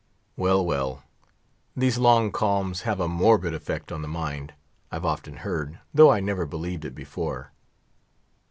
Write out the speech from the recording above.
Well, well; these long calms have a morbid effect on the mind, I've often heard, though I never believed it before.